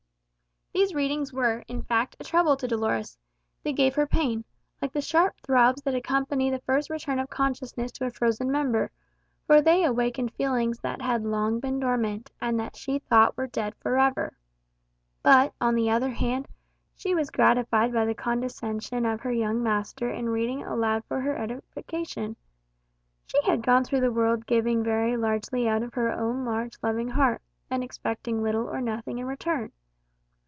These readings were, in fact, a trouble to Dolores. They gave her pain, like the sharp throbs that accompany the first return of consciousness to a frozen member, for they awakened feelings that had long been dormant, and that she thought were dead for ever. But, on the other hand, she was gratified by the condescension of her young master in reading aloud for her edification. She had gone through the world giving very largely out of her own large loving heart, and expecting little or nothing in return.